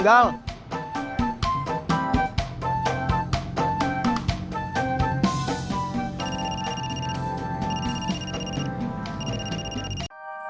gak akan apa apa